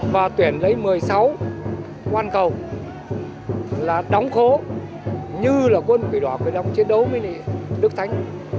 và tuyển lấy một mươi sáu quan cầu là đóng khổ như là quân quỷ đỏ quyền đồng chiến đấu với đức thánh